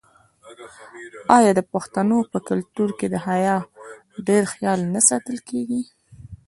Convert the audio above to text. آیا د پښتنو په کلتور کې د حیا ډیر خیال نه ساتل کیږي؟